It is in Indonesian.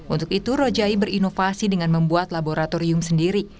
untuk itu rojai berinovasi dengan membuat laboratorium sendiri